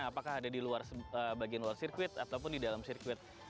apakah ada di luar bagian luar sirkuit ataupun di dalam sirkuit